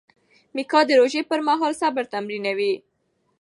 میکا د روژې پر مهال صبر تمرینوي.